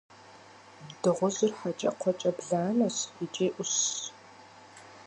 Дыгъужьыр – хьэкӏэкхъуэкӏэ бланэщ икӏи ӏущщ.